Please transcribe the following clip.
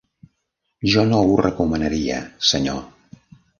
Jo no ho recomanaria, senyor.